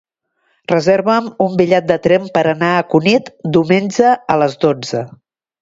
Reserva'm un bitllet de tren per anar a Cunit diumenge a les dotze.